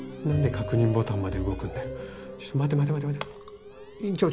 何で確認ボタンまで動くんだよ。